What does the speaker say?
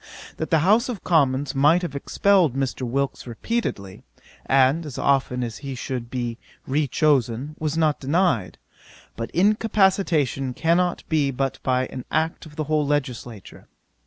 That the House of Commons might have expelled Mr. Wilkes repeatedly, and as often as he should be re chosen, was not denied; but incapacitation cannot be but by an act of the whole legislature.